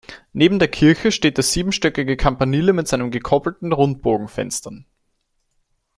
Neben der Kirche steht der siebenstöckige Campanile mit seinen gekoppelten Rundbogenfenstern.